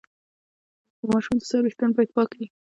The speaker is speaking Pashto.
د ماشوم د سر ویښتان باید پاک وي۔